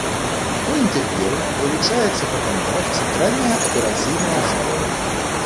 У інтэр'еры вылучаецца па памерах цэнтральная аперацыйная зала.